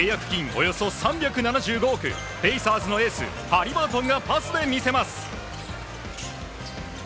およそ３７５億ペイサーズのエースハリバートンがパスで見せます。